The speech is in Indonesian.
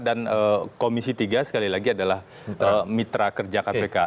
dan komisi tiga sekali lagi adalah mitra kerja kpk